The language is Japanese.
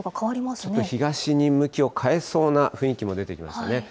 ちょっと東に向きを変えそうな雰囲気も出てきましたね。